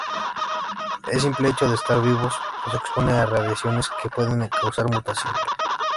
El simple hecho de estar vivos nos expone a radiaciones que pueden causar mutación.